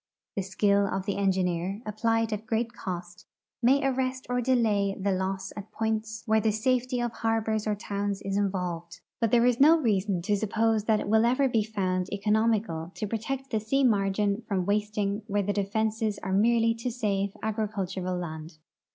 The skill of the engineer, applied at great cost, may arrest or dela}' the loss at points where the safety of harbors or towns is involved, but tliere is no reason to suppose that it will ever be found economical to protect the sea margin from wasting where the defenses are merel}'' to save agricultural land.